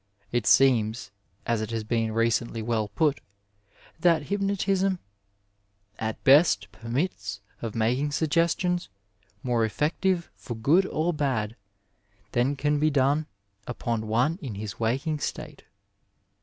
It seems, as it has been recently well put, that hypnotism "at best permits of making suggestions more effective for good or bad than can be done upon one in his waking state."